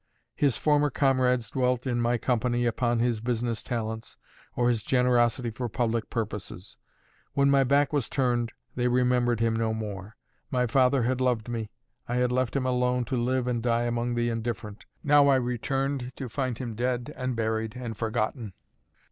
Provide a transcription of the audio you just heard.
His former comrades dwelt, in my company, upon his business talents or his generosity for public purposes; when my back was turned, they remembered him no more. My father had loved me; I had left him alone to live and die among the indifferent; now I returned to find him dead and buried and forgotten.